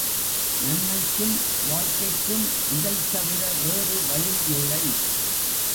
நன்மைக்கும் வாழ்க்கைக்கும் இதைத் தவிர வேறு வழியில்லை.